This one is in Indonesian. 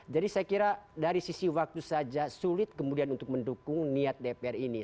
jadi saya kira dari sisi waktu saja sulit kemudian untuk mendukung niat dpr ini